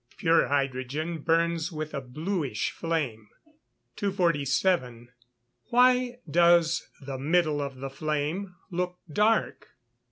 Pure hydrogen burns with a bluish flame. 247. Why does the middle of the flame (C) _look dark?